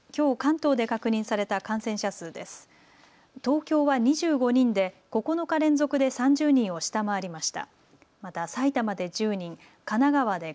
東京は２５人で９日連続で３０人を下回りました。